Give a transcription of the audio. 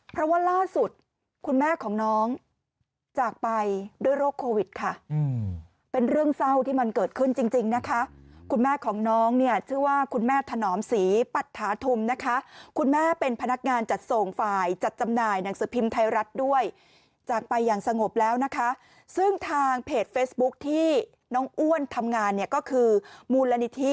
เพราะว่าล่าสุดคุณแม่ของน้องจากไปด้วยโรคโควิดค่ะเป็นเรื่องเศร้าที่มันเกิดขึ้นจริงนะคะคุณแม่ของน้องเนี่ยชื่อว่าคุณแม่ถนอมศรีปัตถาธุมนะคะคุณแม่เป็นพนักงานจัดส่งฝ่ายจัดจำหน่ายหนังสือพิมพ์ไทยรัฐด้วยจากไปอย่างสงบแล้วนะคะซึ่งทางเพจเฟซบุ๊คที่น้องอ้วนทำงานเนี่ยก็คือมูลนิธิ